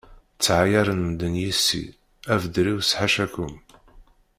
Ttɛayaren medden yis-i, abder-iw s ḥacakum.